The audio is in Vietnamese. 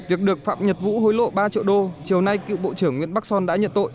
việc được phạm nhật vũ hối lộ ba triệu đô chiều nay cựu bộ trưởng nguyễn bắc son đã nhận tội